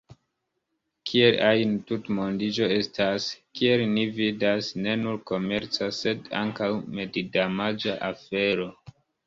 Kiel ajn, tutmondiĝo estas, kiel ni vidas, ne nur komerca sed ankaŭ medidamaĝa afero.